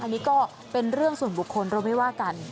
อันนี้ก็เป็นเรื่องส่วนบุคคลเราไม่ว่ากัน